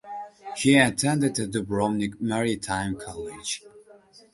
He attended the Dubrovnik Maritime College.